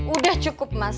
udah cukup mas